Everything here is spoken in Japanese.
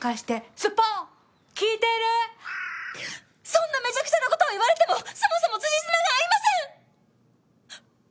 そんなめちゃくちゃな事を言われてもそもそもつじつまが合いません！